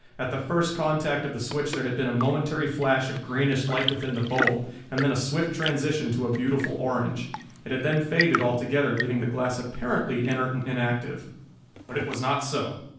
At the first contact of the switch there had been a momentary flash of greenish light within the bulb, and then a swift transition to a beautiful orange. It had then faded altogether, leaving the glass apparently inert and inactive. But it was not so!